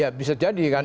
ya bisa jadi kan